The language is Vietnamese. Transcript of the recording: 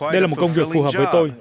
đây là một công việc phù hợp với tôi